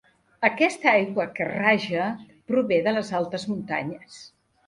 Aquesta aigua que raja prové de les altes muntanyes.